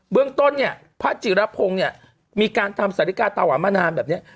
เรื่องต้นเนี่ยพระจิรพงศ์เนี่ยมีการทำสาธิกาตาหวานมานานแบบนี้